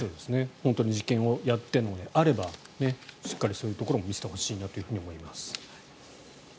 本当に実験をやっているのであればしっかりそういうところも見せてほしいなと思います。